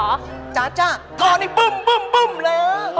โอ๊ยท๊าเจ๊มันคือ